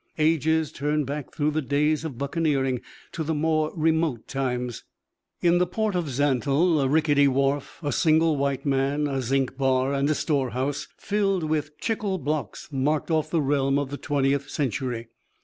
Ages turned back through the days of buccaneering to the more remote times. In the port of Xantl a rickety wharf, a single white man, a zinc bar, and a storehouse filled with chicle blocks marked off the realm of the twentieth century.